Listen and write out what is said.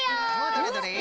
どれどれ？